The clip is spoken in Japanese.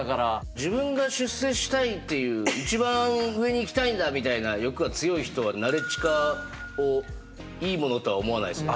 自分が出世したいっていう一番上に行きたいんだみたいな欲が強い人はナレッジ化をいいものとは思わないっすよね？